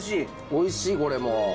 おいしいこれも。